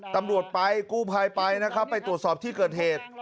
ตำรวจไปปลายไปไปตรวจสอบที่เกิดเหตุ